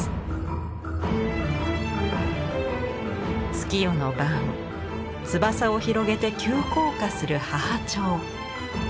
月夜の晩翼を広げて急降下する叭々鳥。